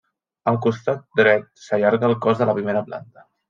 Al costat dret s'allarga el cos de la primera planta.